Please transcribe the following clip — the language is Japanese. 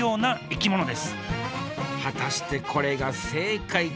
果たしてこれが正解か？